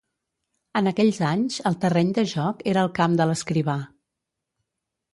En aquells anys el terreny de joc era el camp de l'Escrivà.